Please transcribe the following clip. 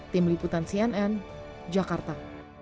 tim liputan cnn jakarta